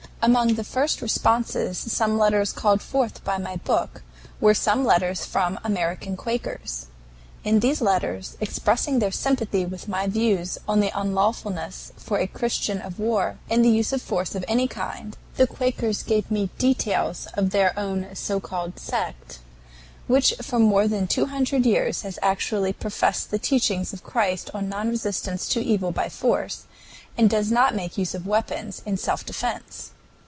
Among the first responses called forth by my book were some letters from American Quakers. In these letters, expressing their sympathy with my views on the unlawfulness for a Christian of war and the use of force of any kind, the Quakers gave me details of their own so called sect, which for more than two hundred years has actually professed the teaching of Christ on non resistance to evil by force, and does not make use of weapons in self defense.